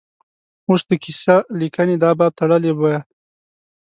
اوس د کیسه لیکنې دا باب تړلی بویه.